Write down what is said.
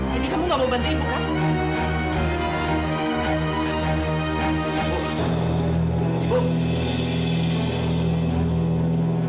kamu gak mau bantu ibu kamu